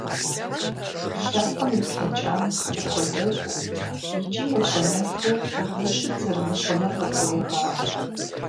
Лъэпкъым и блэкӀам ухуэдэгуу икӀи ухуэнэфу ущыт зэрымыхъунур къыдгурегъаӀуэ.